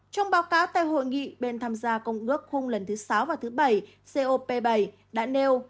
trong báo cáo tại hội nghị bên tham gia công ước khung lần thứ sáu và thứ bảy cop bảy đã nêu